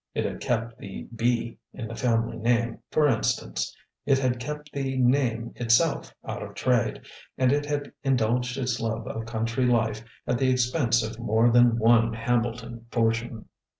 It had kept the b in the family name, for instance; it had kept the name itself out of trade, and it had indulged its love of country life at the expense of more than one Hambleton fortune.